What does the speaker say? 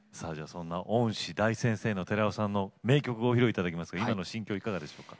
そんな恩師大先生の寺尾さんの名曲を披露いただきますが今の心境いかがでしょうか？